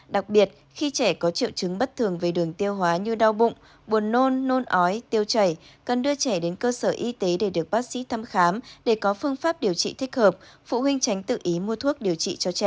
đặc biệt khi trẻ có triệu chứng bất thường về đường tiêu hóa như đau bụng buồn nôn nôn ói tiêu chảy cần đưa trẻ đến cơ sở y tế để được bác sĩ thăm khám để có phương pháp điều trị thích hợp phụ huynh tránh tự ý mua thuốc điều trị cho trẻ